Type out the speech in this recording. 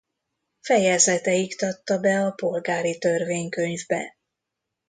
Fejezete iktatta be a polgári törvénykönyvbe.